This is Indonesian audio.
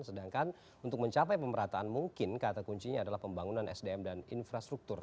sedangkan untuk mencapai pemerataan mungkin kata kuncinya adalah pembangunan sdm dan infrastruktur